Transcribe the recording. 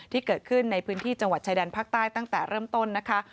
ที่เกิดขึ้นในพื้นที่จังหวัดชายแดนภาคใต้ตั้งแต่เริ่มต้นนะคะ